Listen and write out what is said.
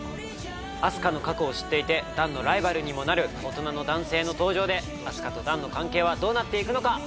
あす花の過去を知っていて弾のライバルにもなる大人の男性の登場であす花と弾の関係はどうなっていくのか